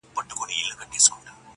قسمت درې واړه شته من په یوه آن کړل -